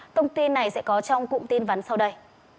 thông tin này sẽ có trong cụm tin vắn sau đây